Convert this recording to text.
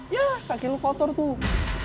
ya kaki lu kotor tuh